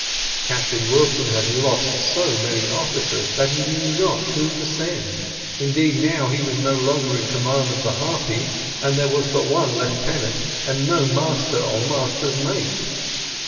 Captain Wilson had lost so many officers that he knew not whom to send: indeed, now he was no longer in command of the Harpy, and there was but one lieutenant, and no master or master's mate.